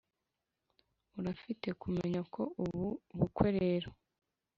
urafite kumenya ko ubu bukwe rero